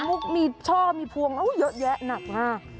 มุกมีช่อมีพวงเยอะแยะหนักมาก